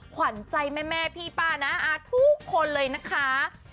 ขวัญใจแม่พี่ป้าน้าอาจทุกคนเลยนะคะ